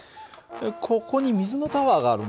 ここに水のタワーがあるんだよ。